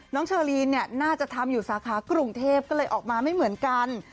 เชอรีนเนี่ยน่าจะทำอยู่สาขากรุงเทพก็เลยออกมาไม่เหมือนกัน